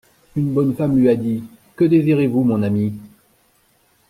Une bonne femme lui a dit: Que désirez-vous, mon ami?